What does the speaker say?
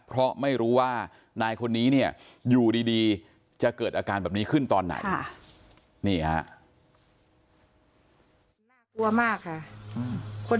เพราะไม่รู้ว่านายคนนี้เนี่ยอยู่ดีจะเกิดอาการแบบนี้ขึ้นตอนไหน